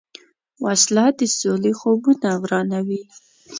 وسله د سولې خوبونه ورانوي